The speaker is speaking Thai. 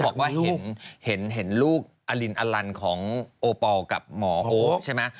บอกว่าเห็นลูกอลินอลันของโอปอลกับหมอโอ๊คใช่ไหม